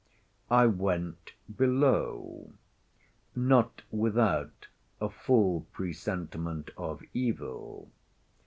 I went below—not without a full presentiment of evil.